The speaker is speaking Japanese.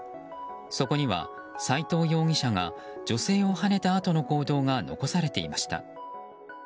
そこには、斉藤容疑者が女性をはねたあとの行動が残されていました。